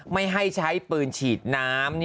ไม่ให้ใช้ปืนฉีดน้ำ